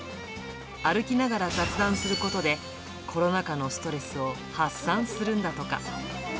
歩きながら雑談することで、コロナ禍のストレスを発散するんだとか。